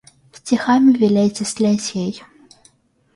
Стихами велеть истлеть ей!